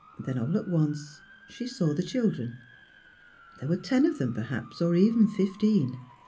Then, all at once, she saw the children. There were ten of them, perhaps, or even fif teen.